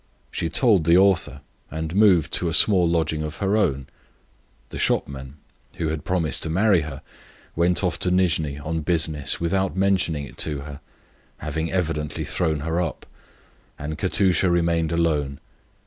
She told the author, and moved to a little lodging of her own. The shopman, who promised to marry her, went to Nijni on business without mentioning it to her, having evidently thrown her up, and Katusha remained alone.